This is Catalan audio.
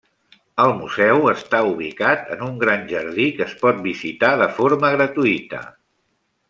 El museu està ubicat en un gran jardí que es pot visitar de forma gratuïta.